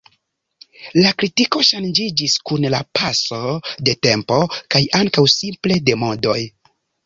La kritiko ŝanĝiĝis kun la paso de tempo kaj ankaŭ simple de modoj.